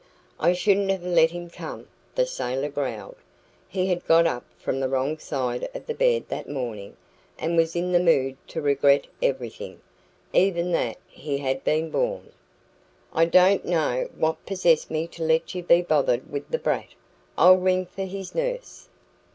"I shouldn't have let him come," the sailor growled. He had got up from the wrong side of the bed that morning, and was in the mood to regret everything, even that he had been born. "I don't know what possessed me to let you be bothered with the brat. I'll ring for his nurse."